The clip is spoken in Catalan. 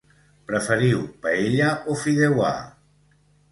Preferiu paella o fideuà?